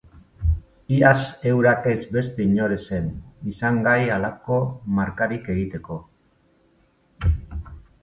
Iaz eurak ez beste inor ez zen izan gai halako markarik egiteko.